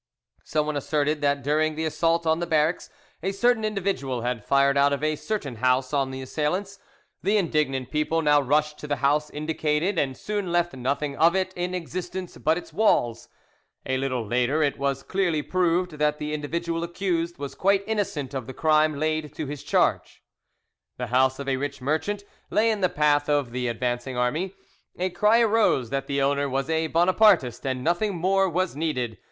Someone asserted that during the assault on the barracks a certain individual had fired out of a certain house on the assailants. The indignant people now rushed to the house indicated, and soon left nothing of it in existence but its walls. A little later it was clearly proved that the individual accused was quite innocent of the crime laid to his charge. The house of a rich merchant lay in the path of the advancing army. A cry arose that the owner was a Bonapartist, and nothing more was needed.